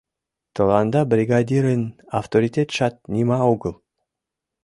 Тыланда бригадирын авторитетшат нима огыл!..